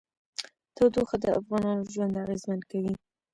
تودوخه د افغانانو ژوند اغېزمن کوي.